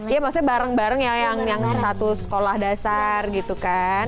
ya maksudnya bareng bareng ya yang satu sekolah dasar gitu kan